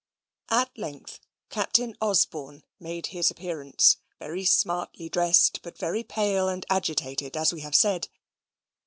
At length Captain Osborne made his appearance, very smartly dressed, but very pale and agitated as we have said.